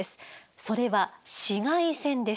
それは紫外線です。